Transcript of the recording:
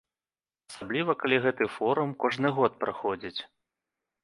Асабліва калі гэты форум кожны год праходзіць.